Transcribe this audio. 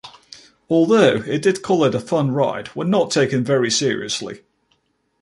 Although, it did call it a fun ride when not taken very seriously.